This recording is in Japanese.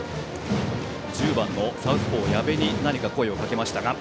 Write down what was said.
１０番のサウスポー矢部に何か声をかけましたが。